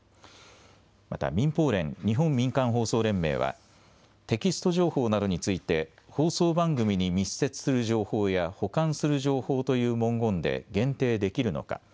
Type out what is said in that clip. また民放連・日本民間放送連盟はテキスト情報などについて放送番組に密接する情報や補完する情報という文言で限定できるのか。